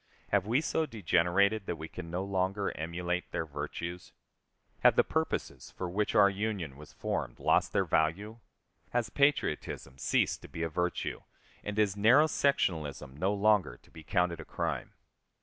Have we so degenerated that we can no longer emulate their virtues? Have the purposes for which our Union was formed lost their value? Has patriotism ceased to be a virtue, and is narrow sectionalism no longer to be counted a crime?